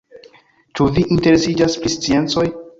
Ĉu vi interesiĝas pri sciencoj?